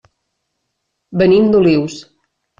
Venim d'Olius.